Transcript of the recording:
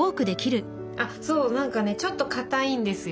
そう何かねちょっとかたいんですよ。